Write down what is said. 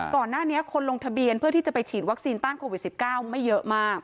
ก่อนหน้านี้คนลงทะเบียนเพื่อที่จะไปฉีดวัคซีนต้านโควิด๑๙ไม่เยอะมาก